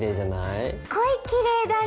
すっごいきれいだね。